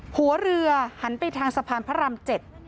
หัวเรือหันไปทางสะพานพระราม๗